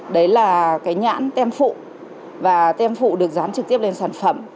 đấy là cái nhãn tem phụ và tem phụ được dán trực tiếp lên sản phẩm